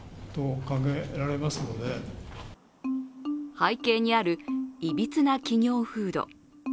背景にある、いびつな企業風土。